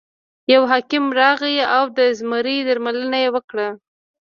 یو حکیم راغی او د زمري درملنه یې وکړه.